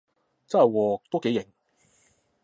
真係喎，都幾型